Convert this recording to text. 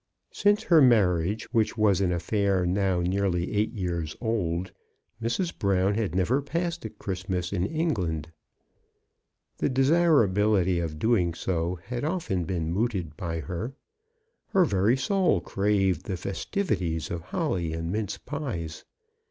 Since her marriage, which was an affair now nearly eight years old, Mrs. Brown had never passed a Christmas in England. The desir ability of doing so had often been mooted by her. Her very soul craved the festivities of holly and mince pies.